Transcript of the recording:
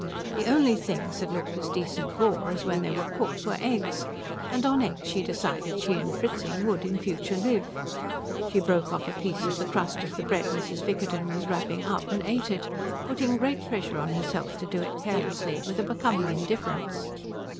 The only things that looked as decent raw as when they were cooked were eggs; and on eggs she decided she and Fritzing would in future live. She broke off a piece of the crust of the bread Mrs. Vickerton was wrapping up and ate it, putting great pressure on herself to do it carelessly, with a becoming indifference.